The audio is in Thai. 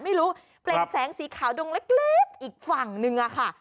ไม่รู้เป็นแสงสีขาวดงเล็กอีกฝั่งนึงอะค่ะ